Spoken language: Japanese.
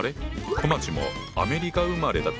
こまっちもアメリカ生まれだったよね？